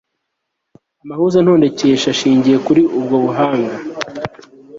amahuzantondekeashingiyekuri ubwo buhanga